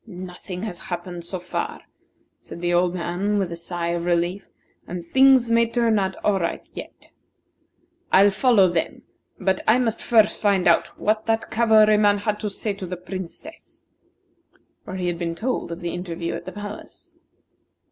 "Nothing has happened so far," said the old man, with a sigh of relief; "and things may turn out all right yet. I'll follow them, but I must first find out what that cavalryman had to say to the Princess." For he had been told of the interview at the palace.